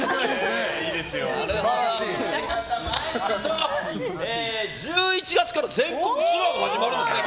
続いて、１１月から全国ツアーが始まるんですね。